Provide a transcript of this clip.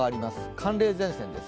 寒冷前線です。